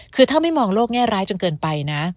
คือถ้าไม่มองโลกแง่ร้ายจนเกินไปนะ